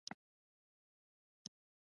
مصنوعي ځیرکتیا د ټولنیز کنټرول وسیله کېدای شي.